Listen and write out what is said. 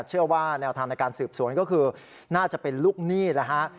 เชื่อว่าแนวทางในการสืบสวนก็คือน่าจะเป็นลูกหนี้แล้วฮะ